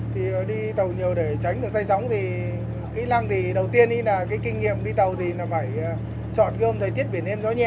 thì đi tàu nhiều để tránh được say sóng thì kỹ năng thì đầu tiên là cái kinh nghiệm đi tàu thì là phải chọn gom thời tiết biển em gió nhẹ